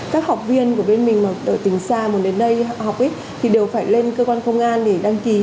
các học viên của bên mình ở tỉnh xa muốn đến đây học ấy thì đều phải lên cơ quan công an để đăng ký